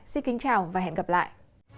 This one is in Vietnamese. xin kính chào và hẹn gặp lại